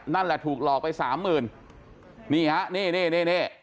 นั่นแหละถูกหลอกไปสามหมื่นนี่ฮะนี่นี่นี่